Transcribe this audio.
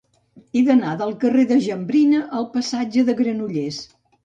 He d'anar del carrer de Jambrina al passatge de Granollers.